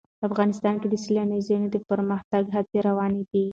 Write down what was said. افغانستان کې د سیلانی ځایونه د پرمختګ هڅې روانې دي.